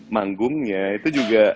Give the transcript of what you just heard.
panggungnya itu juga